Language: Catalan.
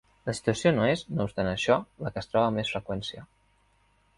La situació no és, no obstant això, la que es troba amb més freqüència.